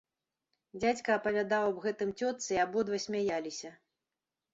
Дзядзька апавядаў аб гэтым цётцы, і абодва смяяліся.